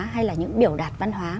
hay là những biểu đạt văn hóa